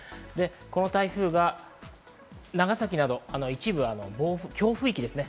この台風が長崎など一部、強風域ですね。